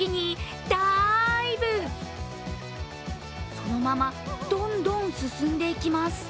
そのままどんどん進んでいきます。